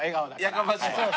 やかましいわ！